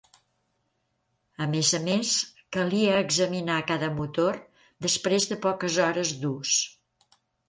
A més a més, calia examinar cada motor després de poques hores d'ús.